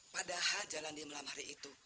padahal jalan di malam hari itu